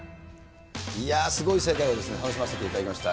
いやー、すごい世界を楽しませていただきました。